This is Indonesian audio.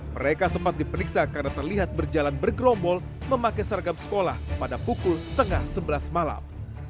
mereka sempat diperiksa karena terlihat berjalan bergerombol memakai seragam sekolah pada pukul setengah sebelas malam